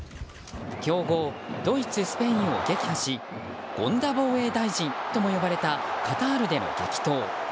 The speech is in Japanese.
強豪ドイツ、スペインを撃破し権田防衛大臣とも言われたカタールでの激闘。